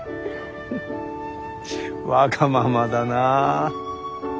わがままだな。